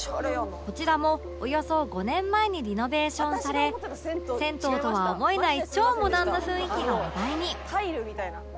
こちらもおよそ５年前にリノベーションされ銭湯とは思えない超モダンな雰囲気が話題に